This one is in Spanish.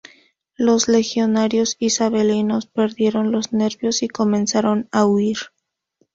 Los legionarios isabelinos perdieron los nervios y comenzaron a huir.